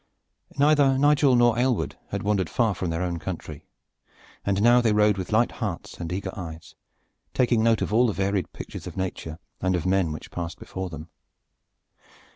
Neither Nigel nor Aylward had wandered far from their own country, and now they rode with light hearts and eager eyes taking note of all the varied pictures of nature and of man which passed before them.